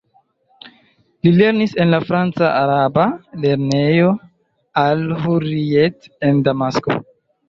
Li lernis en la franca-araba lernejo al-Hurrijet en Damasko.